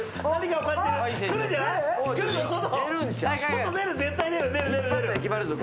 外出る絶対出る。